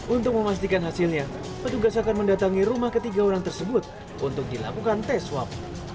untuk memastikan hasilnya petugas akan mendatangi rumah ketiga orang tersebut untuk dilakukan tes swab